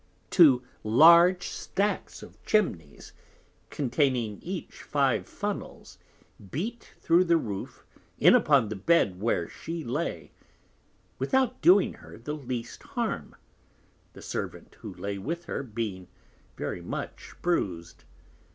Two large Stacks of Chimneys, containing each five Funnels, beat through the Roof, in upon the Bed where she lay, without doing her the least Harm, the Servant who lay with her being very much bruised.